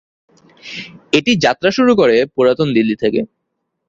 এটি যাত্রা শুরু করে পুরাতন দিল্লি থেকে।